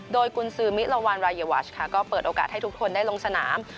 โดยกุญซือมิลาวันรายวัชค่ะก็เปิดโอกาสให้ทุกคนได้ลงสนาม